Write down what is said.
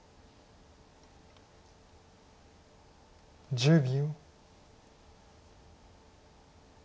１０秒。